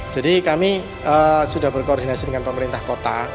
jadi kami sudah berkoordinasi dengan pemerintah kota